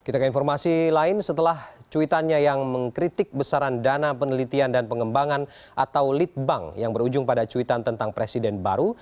kita ke informasi lain setelah cuitannya yang mengkritik besaran dana penelitian dan pengembangan atau lead bank yang berujung pada cuitan tentang presiden baru